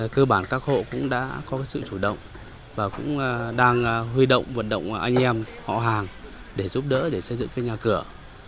cơ bản các hộ cũng đã có sự chủ động và cũng đang huy động vận động anh em họ hàng để giúp đỡ để xây dựng cái nhà cửa